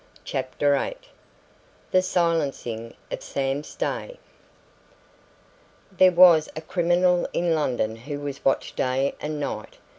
CHAPTER VIII THE SILENCING OF SAM STAY There was a criminal in London who was watched day and night.